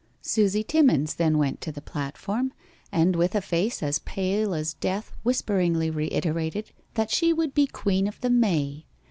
Susie Timmens then went to the platform, and with a face as pale as death whisperingly reiterated that she would be Queen of the May.